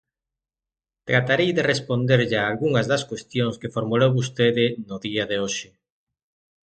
Tratarei de responderlle a algunhas das cuestións que formulou vostede no día de hoxe.